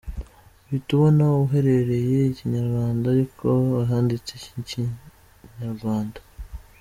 Uhita ubona ahaherereye Ikinyarwanda ariko banditse Ikikinyarwanda.